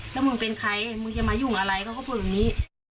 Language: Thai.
แล้วมึงเป็นใครมึงจะมายุ่งอะไรเขาก็พูดแบบนี้